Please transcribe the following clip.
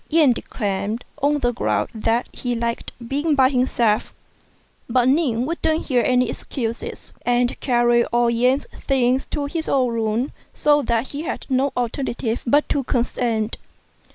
Yen declined, on the ground that he liked being by himself; but Ning wouldn't hear any excuses, and carried all Yen's things to his own room, so that he had no alternative but to consent.